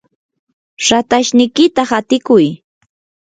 ratashniykita hatiykuy.